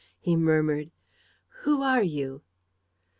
He murmured: "Who are you?"